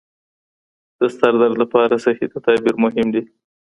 د سردرد لپاره صحي تدابیر مهم دي.